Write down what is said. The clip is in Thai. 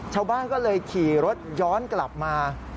ชาวบ้านก็เลยขี่รถย้อนกลับมา